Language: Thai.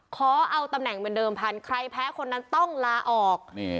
ขอเอาตำแหน่งเหมือนเดิมพันธุ์ใครแพ้คนนั้นต้องลาออก